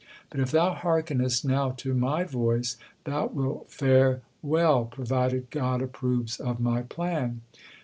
But if thou hearkenest now to my voice, thou wilt fare well, provided God approves of my plan.